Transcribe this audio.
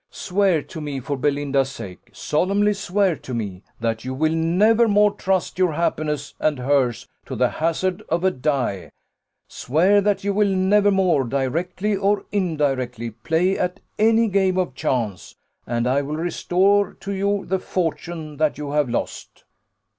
"Swear to me, for Belinda's sake solemnly swear to me, that you will never more trust your happiness and hers to the hazard of a die swear that you will never more, directly or indirectly, play at any game of chance, and I will restore to you the fortune that you have lost."